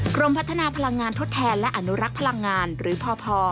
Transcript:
กรมพัฒนาพลังงานทดแทนและอนุรักษ์พลังงานหรือพอ